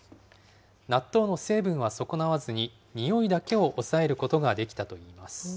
納豆の成分は損なわずに匂いだけを抑えることができたといいます。